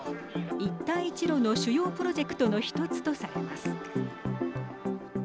一帯一路の主要プロジェクトの１つとされます。